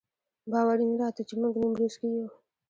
باور یې نه راته چې موږ نیمروز کې یو.